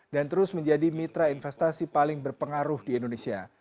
dan terus menjadi mitra investasi paling berpengaruh di indonesia